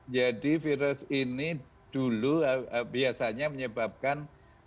jadi virus ini dulu biasanya menyebabkan